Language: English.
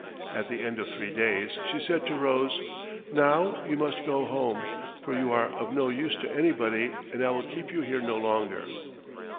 At the end of three days she said to Rose. "Now you must go home, for you are of no use to anybody, and I will keep you here no longer."